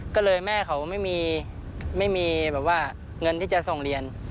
ก็เลยแม่เขาไม่มีแบบว่าเงินที่จะส่งเรียน